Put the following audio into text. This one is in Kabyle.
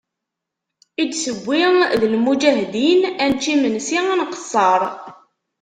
I d-tewwi d lmuǧahdin, ad nečč imensi ad nqesser.